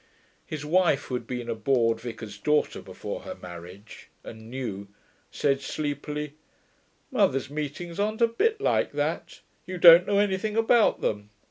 His wife, who had been a bored vicar's daughter before her marriage, and knew, said sleepily, 'Mothers' meetings aren't a bit like that. You don't know anything about them.